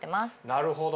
なるほど。